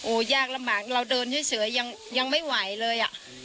ยากลำบากเราเดินเฉยยังไม่ไหวเลยอ่ะ